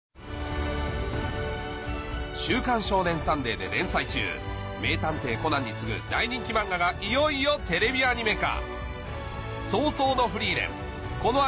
『週刊少年サンデー』で連載中『名探偵コナン』に次ぐ大人気漫画がいよいよテレビアニメ化